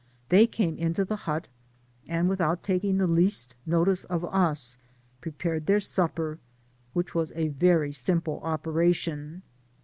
They came into the hut, and without taking the least notice of us, prepared their supper, which was a very simple operation.